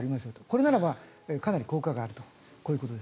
これならばかなり効果があると。